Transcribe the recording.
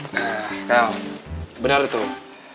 nah kan bener tuh